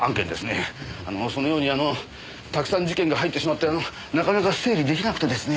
そのようにたくさん事件が入ってしまってなかなか整理できなくてですね。